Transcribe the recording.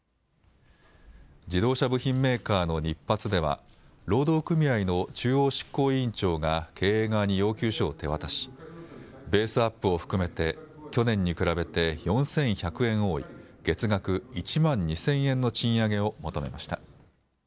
自動車部品メーカーのニッパツでは労働組合の中央執行委員長が経営側に要求書を手渡しベースアップを含めて去年に比べて４１００円多い月額１万２０００円の賃上げを求めました。